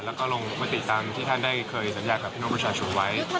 แล้วก็ลงมติตามที่ท่านได้เคยสัญญากับพี่น้องประชาชนไว้